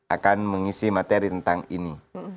akan mengisi materi tentang ini